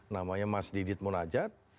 namanya mas didit munajat